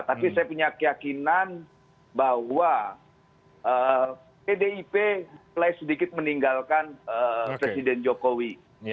tapi saya punya keyakinan bahwa pdip mulai sedikit meninggalkan presiden jokowi